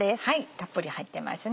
たっぷり入ってますね